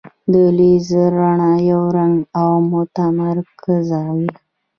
د لیزر رڼا یو رنګه او متمرکزه وي.